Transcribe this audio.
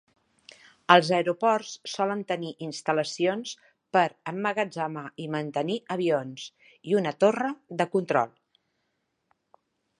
Els aeroports solen tenir instal·lacions per emmagatzemar i mantenir avions, i una torre de control.